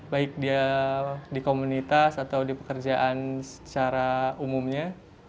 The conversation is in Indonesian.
baik dia di komunitas atau di pekerjaan secara umumnya